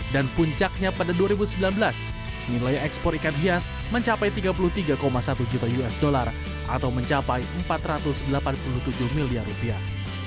dan puncaknya pada dua ribu sembilan belas nilai ekspor ikan hias mencapai tiga puluh tiga satu juta usd atau mencapai empat ratus delapan puluh tujuh miliar rupiah